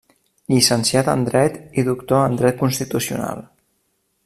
Llicenciat en Dret i doctor en dret constitucional.